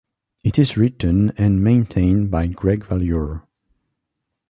It is written and maintained by Greg Valure.